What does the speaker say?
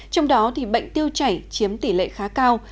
trong đó bệnh tiêu chảy chiếm tỷ lệ khá cao